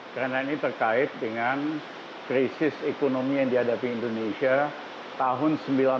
karena ini terkait dengan krisis ekonomi yang dihadapi indonesia tahun sembilan puluh tujuh sembilan puluh delapan